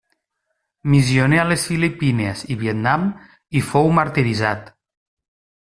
Missioner a les Filipines i Vietnam, hi fou martiritzat.